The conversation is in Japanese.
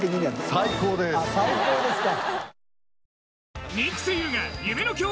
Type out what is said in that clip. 最高ですか。